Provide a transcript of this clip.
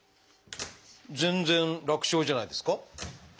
全然楽勝じゃないですか？